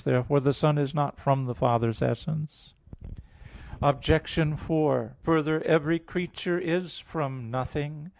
Therefore the Son is not from the Father's essence. Obj. 4: Further, every creature is from nothing.